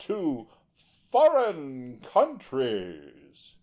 Foreign Countries.